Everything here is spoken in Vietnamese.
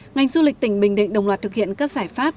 ngành du lịch tỉnh bình định đồng loạt thực hiện các giải pháp